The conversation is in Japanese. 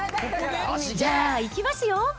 じゃあ、いきますよ。